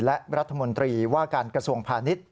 และรัฐมนตรีว่าการกระทรวงพาณิชย์